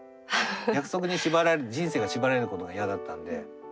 約束に縛られ人生が縛られることが嫌だったんで。